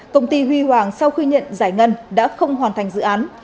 công ty huy hoàng sau khuyên nhận giải ngân đã không hoàn thành dự án